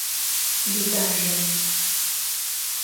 – Беда, Женя!